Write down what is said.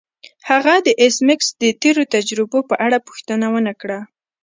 هغه د ایس میکس د تیرو تجربو په اړه پوښتنه ونه کړه